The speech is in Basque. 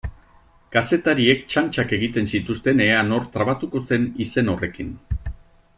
Kazetariek txantxak egiten zituzten ea nor trabatuko zen izen horrekin.